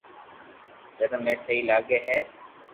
جيم اي سھي لاگي ھي